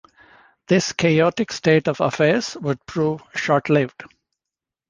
This chaotic state of affairs would prove short-lived.